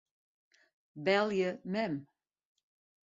Belje mem.